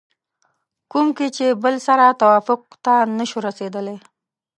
کوم کې چې بل سره توافق ته نشو رسېدلی